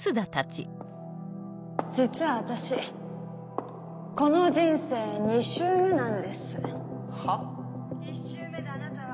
実は私この人生２周目なんです。は？